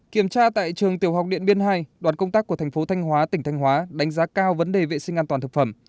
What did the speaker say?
kiểm tra tại trường tiểu học điện biên hai đoàn công tác của thành phố thanh hóa tỉnh thanh hóa đánh giá cao vấn đề vệ sinh an toàn thực phẩm